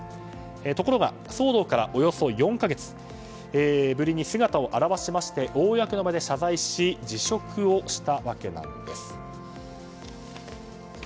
ところが、騒動からおよそ４か月ぶりに姿を現しまして公の場で謝罪し辞職をしたわけなんです。